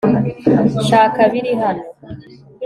nshaka biri hano